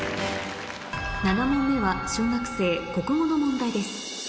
７問目は小学生国語の問題です